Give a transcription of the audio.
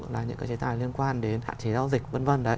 là những cái chế tài liên quan đến hạn chế giao dịch vân vân đấy